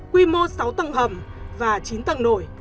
quy mô sáu tầng hầm và chín tầng nổi